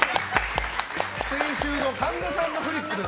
先週の神田さんのフリップです。